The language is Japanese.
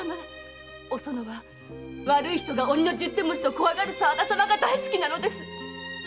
おそのは悪い人が“鬼の十手持ち”と怖がる沢田様が大好きなのです。